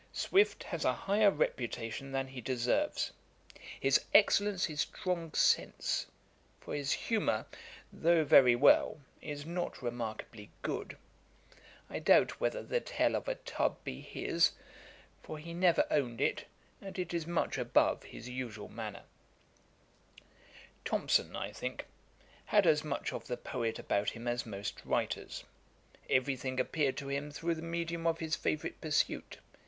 'Swift has a higher reputation than he deserves. His excellence is strong sense; for his humour, though very well, is not remarkably good. I doubt whether The Tale of a Tub be his; for he never owned it, and it is much above his usual manner.' [Page 453: Mr. Thomas Sheridan's dulness. Ætat 54.] 'Thompson, I think, had as much of the poet about him as most writers. Every thing appeared to him through the medium of his favourite pursuit.